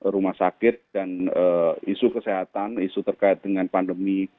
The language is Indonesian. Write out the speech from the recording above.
rumah sakit dan isu kesehatan isu terkait dengan pandemi